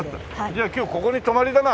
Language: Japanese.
じゃあ今日ここに泊まりだな！